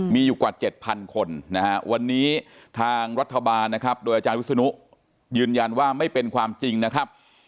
มีอยู่กว่า๗๐๐คนนะฮะวันนี้ทางรัฐบาลนะครับโดยอาจารย์วิศนุยืนยันว่าไม่เป็นความจริงนะครับ